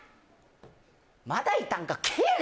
まだいたんか帰れ！